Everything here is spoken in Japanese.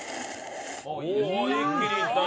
一気にいったね。